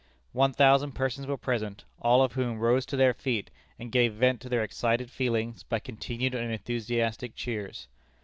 One thousand persons were present, all of whom rose to their feet, and gave vent to their excited feelings by continued and enthusiastic cheers.